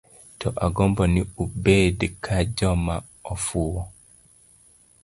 To agombo ni ubed ka joma ofuwo.